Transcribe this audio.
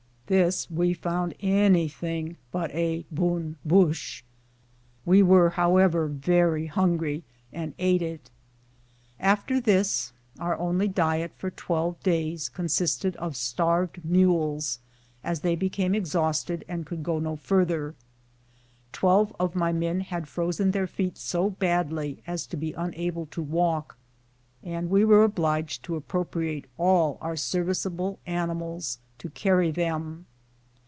This we found any thing but a " bonne bouche." We were, however, very hungry, and ate it. After this our only diet for twelve days consisted of starved miiles as they became exhausted and could go no farther. Twelve of my men had frozen their feet so badly as to be unable to walk, and we were obliged to appropri ate all our serviceable animals to carry them.